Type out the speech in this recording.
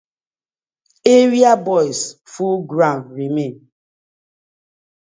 Area guyz full ground remain.